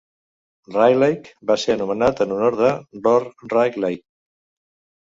Rayleigh va ser anomenat en honor de Lord Rayleigh.